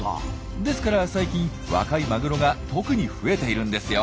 ですから最近若いマグロが特に増えているんですよ。